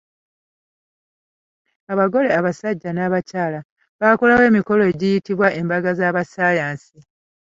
Abagole abasajja n'abakyala bakolawo emikolo egiyitibwa embaga za ssaayansi.